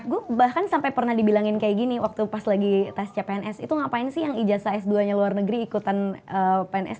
gue bahkan sampai pernah dibilangin kayak gini waktu pas lagi tes cpns itu ngapain sih yang ijazah s dua nya luar negeri ikutan pns